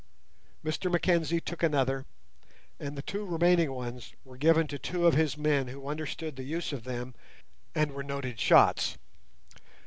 Mr Mackenzie took another, and the two remaining ones were given to two of his men who understood the use of them and were noted shots.